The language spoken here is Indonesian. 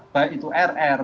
baik itu rr